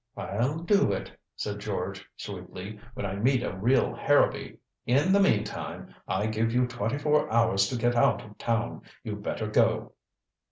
"I'll do it," said George sweetly, "when I meet a real Harrowby. In the meantime, I give you twenty four hours to get out of town. You'd better go."